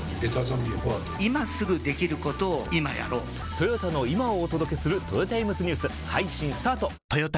トヨタの今をお届けするトヨタイムズニュース配信スタート！！！